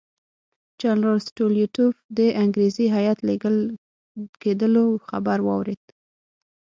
جنرال سټولیتوف د انګریزي هیات لېږل کېدلو خبر واورېد.